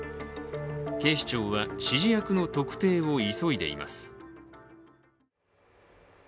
警視庁は、指示役の特定を急いでいます。